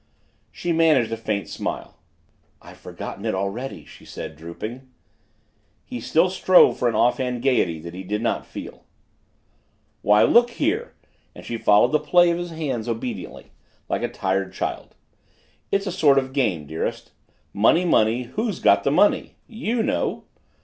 She managed a faint smile. "I've forgotten it already," she said, drooping. He still strove for an offhand gaiety that he did not feel. "Why, look here!" and she followed the play of his hands obediently, like a tired child, "it's a sort of game, dearest. 'Money, money who's got the money?' You know!"